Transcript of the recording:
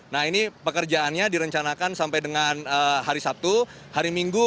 nah ini pekerjaannya direncanakan sampai dengan hari sabtu